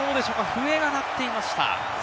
笛が鳴っていました。